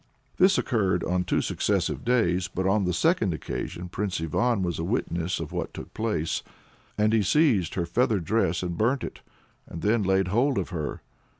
This occurred on two successive days, but on the second occasion Prince Ivan was a witness of what took place, and he seized her feather dress and burnt it, and then laid hold of her.